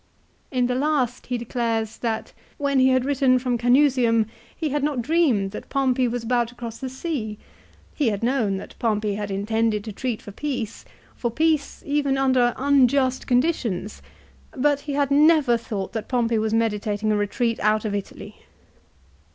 In the last he declares 2 that "when he had written from Canusium he had not dreamed that Pompey was about to cross the sea. He had known that Pompey had intended to treat for peace, for peace even under unjust conditions, but he had never thought that Pompey was meditating a retreat out of Italy."